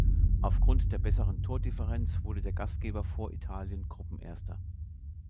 Aufgrund der besseren Tordifferenz wurde der Gastgeber vor Italien Gruppenerster.